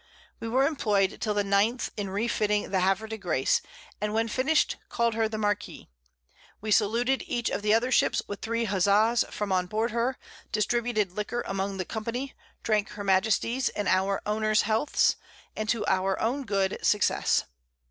We were imploy'd till the 9_th_ in refitting the Havre de Grace, and when finish'd call'd her the Marquis. We saluted each of the other Ships with 3 Huzzas from on board her, distributed Liquor among the Company, drank her Majesty's and our Owners Healths, and to our own good Success.